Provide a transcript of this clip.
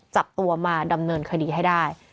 จับตัวมาดำเนินคดีให้ได้